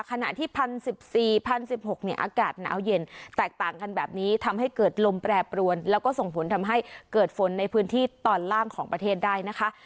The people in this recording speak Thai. ขณะที่๑๐๑๔๐๑๖เนี่ยอากาศหนาวเย็นแตกต่างกันแบบนี้ทำให้เกิดลมแปรปรวนแล้วก็ส่งผลทำให้เกิดฝนในพื้นที่ตอนล่างของประเทศได้นะคะ